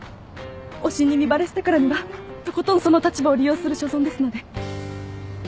推しに身バレしたからにはとことんその立場を利用する所存ですので。